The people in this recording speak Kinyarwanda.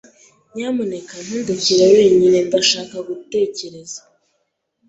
Nyamuneka nundekere wenyine. Ndashaka gutekereza.